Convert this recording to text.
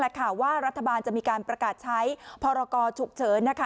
แต่ข่าวว่ารัฐบาลจะมีการประกาศใช้พรกรฉุกเฉินนะคะ